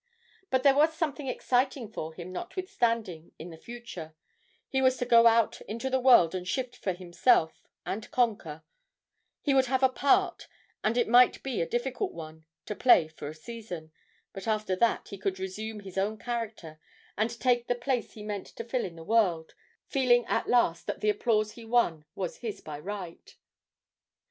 But there was something exciting for him, notwithstanding, in the future; he was to go out into the world and shift for himself, and conquer; he would have a part, and it might be a difficult one, to play for a season; but after that he could resume his own character and take the place he meant to fill in the world, feeling at last that the applause he won was his by right.